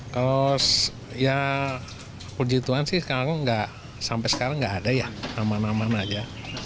kalau ya perjituan sih sampai sekarang nggak ada ya aman aman aja